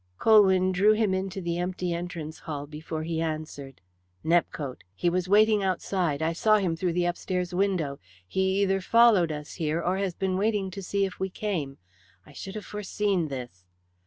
Colwyn drew him into the empty entrance hall before he answered: "Nepcote. He was watching outside. I saw him through the upstairs window. He either followed us here or has been waiting to see if we came. I should have foreseen this."